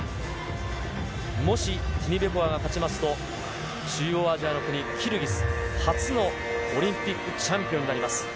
もしティニベコワが勝ちますと、中央アジアの国、キルギス初のオリンピックチャンピオンになります。